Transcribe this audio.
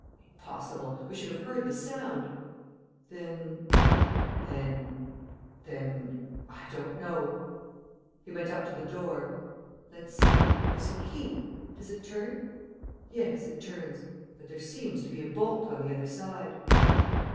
"Impossible! We should have heard the sound." "Then? ..." "Then ... then ... I don't know ..." He went up to the door. "Let's see, ... there's a key ... does it turn? ... Yes, it turns. But there seems to be a bolt on the other side."